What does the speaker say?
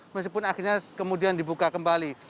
meskipun akhirnya kemudian dibuka kembali